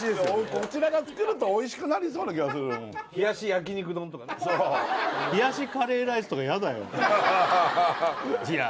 こちらが作るとおいしくなりそうな気がする冷し焼肉丼とかね冷しカレーライスとかやだよいや